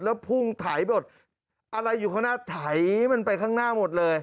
แล้วพุ่งไถหมดอะไรอยู่ข้างหน้าไถมันไปข้างหน้าหมดเลย